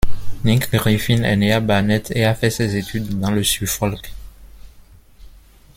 Nick Griffin est né à Barnet et a fait ses études dans le Suffolk.